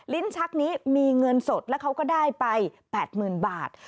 ลิ้นชักนี้มีเงินสดแล้วเขาก็ได้ไป๘๐๐๐บาท